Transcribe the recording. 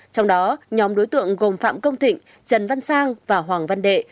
trong đó nhóm đối tượng gồm phạm công thịnh trần văn sang và hoàng văn đệ